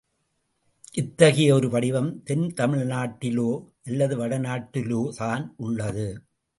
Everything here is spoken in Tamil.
இத்தகைய ஒரு வடிவம் தென் தமிழ்நாட்டிலோ, அல்லது வடநாட்டிலோதான் உள்ளது.